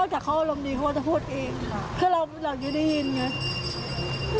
นอกจากเขาอารมณ์นี้เขาจะพูดเองค่ะเพราะเราเราจะได้ยินไง